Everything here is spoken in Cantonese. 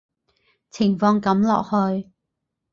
情況噉落去